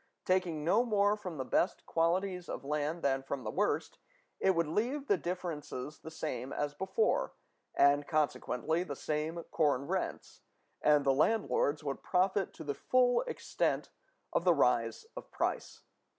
Taking no more from the best qualities of land than from the worst, it would leave the differences the same as before, and consequently the same corn rents, and the landlords would profit to the full extent of the rise of price.